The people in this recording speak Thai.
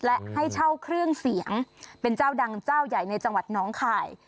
และให้เช่าเครื่องเสียงเป็นเจ้าดังเจ้าใหญ่ในจังหวัดน้องคาย